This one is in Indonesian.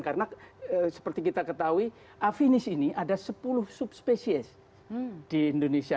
karena seperti kita ketahui afinis ini ada sepuluh subspesies di indonesia